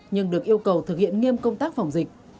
nhưng được yêu cầu thực hiện nghiêm công tác phòng dịch